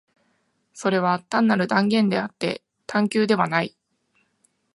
それは単なる断言であって探求ではない。